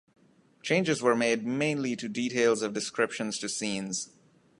Changes were made mainly to details of descriptions to scenes.